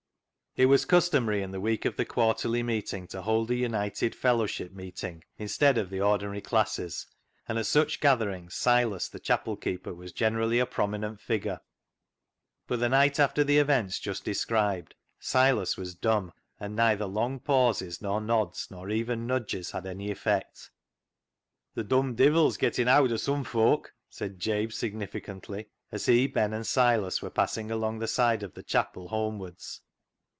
It was customary in the week of the Quar terly Meeting to hold a united fellowship meet ing instead of the ordinary classes, and at such gatherings Silas, the chapel keeper, was generally a prominent figure. But the night after the 302 CLOG SHOP CHRONICLES events just described Silas was dumb, and neither long pauses nor nods, nor even nudges, had any effect. " Th' dumb divil's getten howd of sum folk," said Jabe significantly, as he, Ben, and Silas were passing along the side of the chapel home wards.